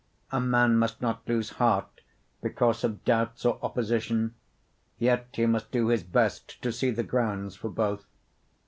A man must not lose heart because of doubts or opposition, yet he must do his best to see the grounds for both.